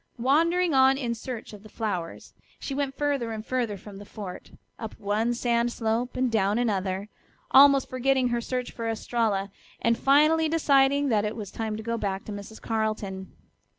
Wandering on in search of the flowers, she went further and further from the fort, up one sand slope and clown another, almost forgetting her search for Estralla, and finally deciding that it was time to go back to Mrs. Carleton.